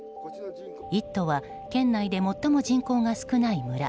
「イット！」は県内で最も人口が少ない村